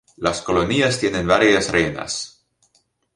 Las colonias tienen varias reinas.